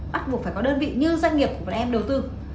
bắt buộc phải có đơn vị như doanh nghiệp của bọn em đầu tư